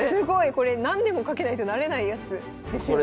これ何年もかけないとなれないやつですよね。